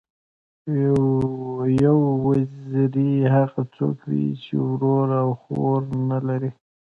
یو وزری، هغه څوک دئ، چي ورور او خور نه لري.